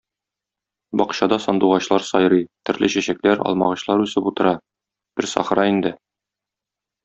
Бакчада сандугачлар сайрый, төрле чәчәкләр, алмагачлар үсеп утыра - бер сахра инде.